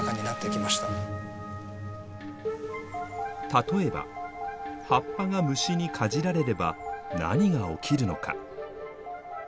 例えば葉っぱが虫にかじられれば何が起きるのか。